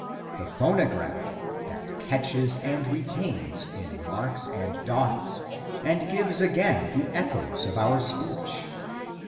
The phonograph, that catches and retains in marks and dots and gives again the echoes of our speech.